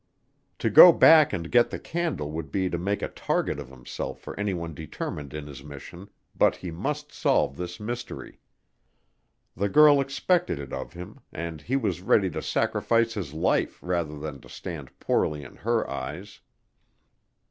To go back and get the candle would be to make a target of himself for anyone determined in his mission, but he must solve this mystery. The girl expected it of him and he was ready to sacrifice his life rather than to stand poorly in her eyes.